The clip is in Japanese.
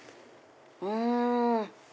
うん！